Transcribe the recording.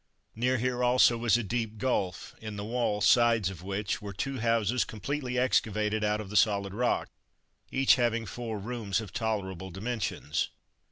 Near here also was a deep gulf, in the wall sides of which were two houses completely excavated out of the solid rock, each having four rooms of tolerable dimensions.